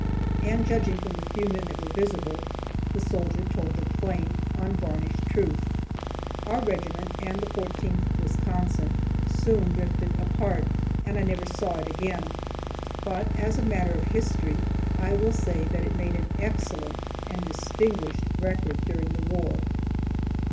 And, judging from the few men that were visible, the soldier told the plain, unvarnished truth. Our regiment and the 14th Wisconsin soon drifted apart, and I never saw it again. But as a matter of history, I will say that it made an excellent and distinguished record during the war.